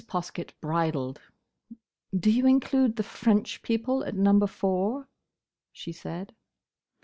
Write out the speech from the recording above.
Poskett bridled. "Do you include the French people at Number Four?" she said.